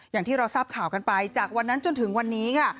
อย่างที่เราทราบข่าวกันไปจากวันนั้นจนถึงวันนี้ค่ะ